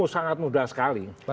sangat mudah sekali